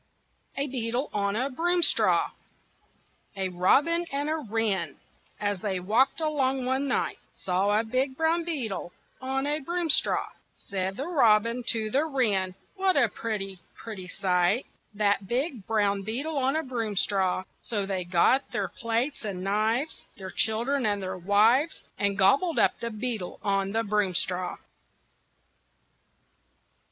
A BEETLE ON A BROOMSTRAW A robin and a wren, as they walked along one night, Saw a big brown beetle on a broomstraw. Said the robin to the wren: "What a pretty, pretty sight That big brown beetle on a broomstraw!" So they got their plates and knives, Their children and their wives, And gobbled up the beetle on the broomstraw.